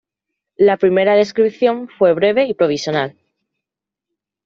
La primera descripción fue breve y provisional.